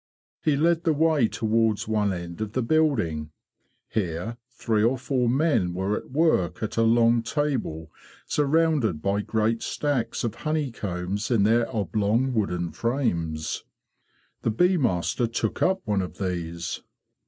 He led the way towards one end of the building. Here three or four men were at work at a long table surrounded by great stacks of honeycombs in their oblong wooden frames. The bee master took up one of these.